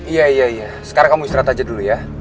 iya iya sekarang kamu istirahat aja dulu ya